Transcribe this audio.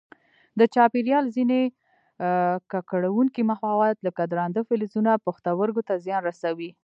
د چاپېریال ځیني ککړونکي مواد لکه درانده فلزونه پښتورګو ته زیان رسوي.